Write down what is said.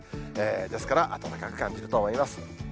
ですから暖かく感じると思います。